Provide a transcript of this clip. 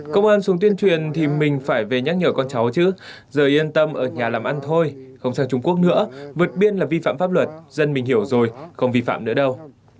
công an xuống tuyên truyền thì mình phải về nhắc nhở con cháu chứ giờ yên tâm ở nhà làm ăn thôi không sang trung quốc nữa vượt biên là vi phạm pháp luật dân mình hiểu rồi không vi phạm nữa đâu